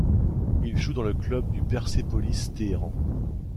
Il joue dans le club du Persepolis Téhéran.